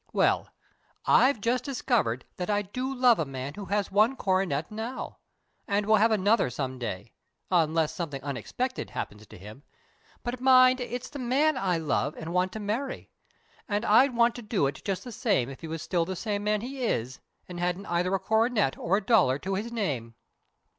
Well, I've just discovered that I do love a man who has one coronet now, and will have another some day, unless something unexpected happens to him; but mind, it's the man I love and want to marry, and I'd want to do it just the same if he was still the same man he is, and hadn't either a coronet or a dollar to his name."